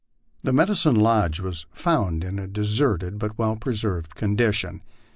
The medicine lodge was found In a deserted but well preserved condition.